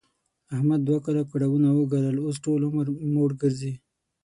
احمد دوه کاله کړاوونه و ګالل، اوس ټول عمر موړ ګرځي.